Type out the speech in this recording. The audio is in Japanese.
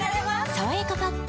「さわやかパッド」